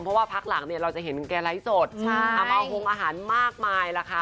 เพราะว่าพักหลังเนี่ยเราจะเห็นแกไลฟ์สดอาม่าหงอาหารมากมายล่ะค่ะ